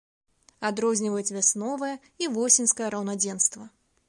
Адрозніваюць вясновае і восеньскае раўнадзенства.